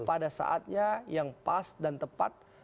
pada saatnya yang pas dan tepat